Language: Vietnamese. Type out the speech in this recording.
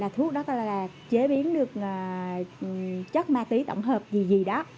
thuốc đó là chế biến được chất ma túy tổng hợp gì gì đó